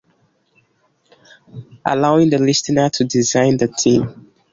Allowing the listener to design the theme.